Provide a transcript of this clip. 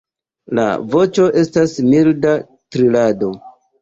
La voĉo estas milda trilado.